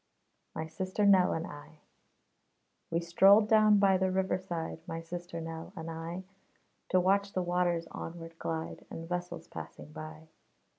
MY SISTER NELL AND I We strolled down by the river side, My sister Nell and I, To watch the waters onward glide, And vessels passing by.